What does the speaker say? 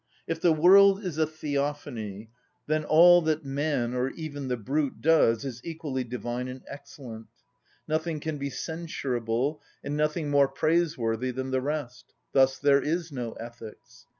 If the world is a theophany, then all that man, or even the brute, does is equally divine and excellent; nothing can be censurable, and nothing more praiseworthy than the rest: thus there is no ethics.